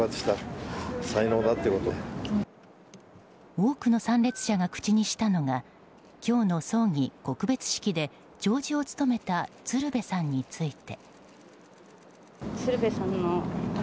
多くの参列者が口にしたのが今日の葬儀・告別式で弔辞を務めた鶴瓶さんについて。